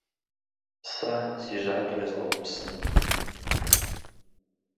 Сэ си жьакӏэр езгъэупсынут.